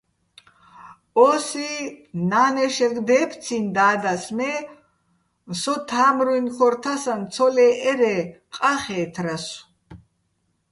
ო́სი ნანეშეგო̆ დე́ფციჼ და́დას, მე სო თამრუჲნ ქორ თასაჼ ცო ლე́ჸერ-ე ყახე́თრასო̆.